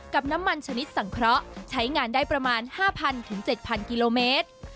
กับน้ำมันชนิดสังเคราะห์ใช้งานได้ประมาณ๕๐๐๗๐๐กิโลเมตร